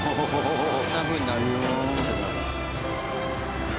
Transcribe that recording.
あんなふうになるんだ。